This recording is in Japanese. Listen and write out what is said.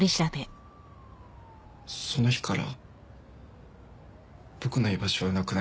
その日から僕の居場所はなくなりました。